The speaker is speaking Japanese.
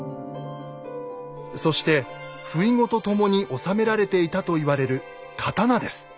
そしてふいごと共に納められていたと言われる刀です。